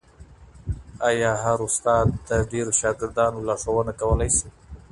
ایا هر استاد د ډېرو شاګردانو لارښوونه کولای سي؟